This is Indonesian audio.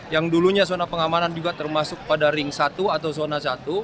yang dulunya zona pengamanan juga termasuk pada ring satu atau zona satu